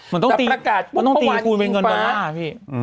มันต้องตีคูณเว็นเงินดอลลาร์อ่ะพี่